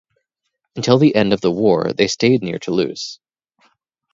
Until the end of the War they stayed near Toulouse.